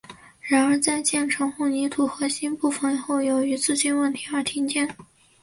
然而在建成混凝土核心部分后由于资金问题而停建。